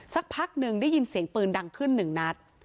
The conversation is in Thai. สักพักหนึ่งได้ยินเสียงปืนดังขึ้นหนึ่งนัด